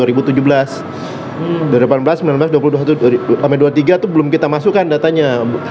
dua ribu delapan belas dua ribu sembilan belas dua ribu dua puluh satu dua ribu dua puluh tiga itu belum kita masukkan datanya